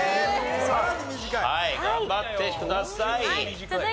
さらに短い。頑張ってください。